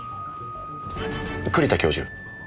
栗田教授？